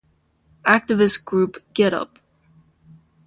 Activist group GetUp!